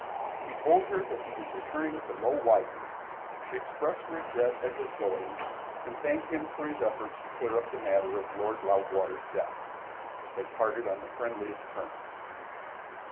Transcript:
He told her that he was returning to Low Wycombe; she expressed regret at his going, and thanked him for his efforts to clear up the matter of Lord Loudwater's death. They parted on the friendliest terms.